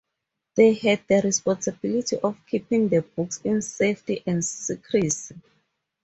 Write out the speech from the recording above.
They had the responsibility of keeping the books in safety and secrecy.